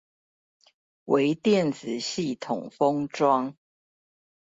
微電子系統封裝